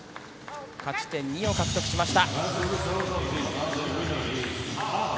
勝ち点２を獲得しました。